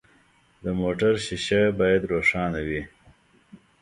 د موټر شیشه باید روښانه وي.